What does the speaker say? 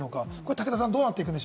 武田さん。